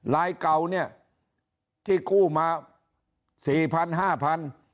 รายเก่าเนี่ยที่กู้มาสี่พันห้าพัน